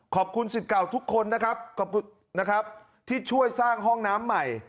ขอบคุณสิทธิ์เก่าทุกคนนะครับที่ช่วยสร้างห้องน้ำใหม่